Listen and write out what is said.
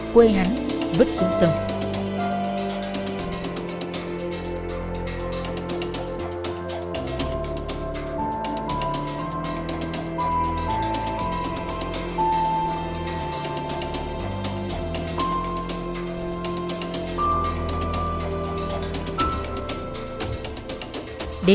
quê hắn vứt xe của yến đặt xe của yến vào đó